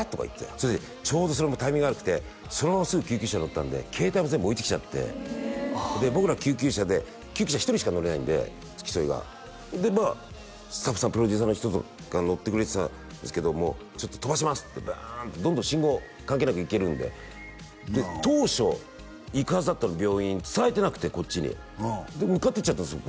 それでちょうどそれもタイミング悪くてそのまますぐ救急車乗ったんで携帯も全部置いてきちゃってで僕ら救急車で救急車１人しか乗れないんで付き添いがでまあスタッフさんプロデューサーの人が乗ってくれてたんですけどもちょっと飛ばしますってブーンとどんどん信号関係なくいけるんでで当初行くはずだった病院伝えてなくてこっちに向かってっちゃったんですよ